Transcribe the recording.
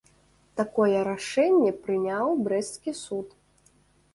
Такое рашэнне прыняў брэсцкі суд.